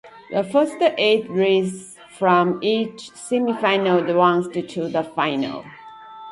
The first eight racers from each semifinal advanced to the final.